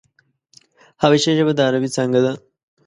حبشي ژبه د عربي څانگه ده.